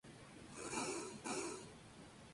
Magdalena es una voz náhuatl que significa.